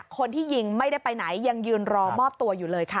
คนที่ยิงไม่ได้ไปไหนยังยืนรอมอบตัวอยู่เลยค่ะ